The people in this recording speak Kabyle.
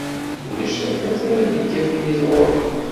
Ulac tafat ara d-ikafin i tɣuri.